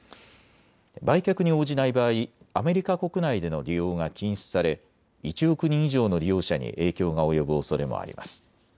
売却に応じない場合、アメリカ国内での利用が禁止され１億人以上の利用者に影響が及ぶおそれもあります。